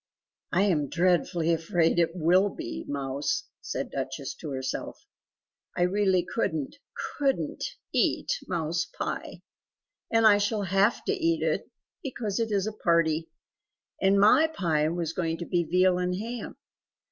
"I am dreadfully afraid it WILL be mouse!" said Duchess to herself "I really couldn't, COULDN'T eat mouse pie. And I shall have to eat it, because it is a party. And MY pie was going to be veal and ham.